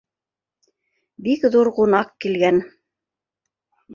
Бик ҙур ҡунаҡ килгән.